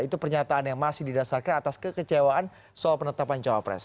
itu pernyataan yang masih didasarkan atas kekecewaan soal penetapan cawapres